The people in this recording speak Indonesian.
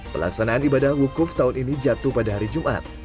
pelaksanaan ibadah wukuf tahun ini jatuh pada hari jumat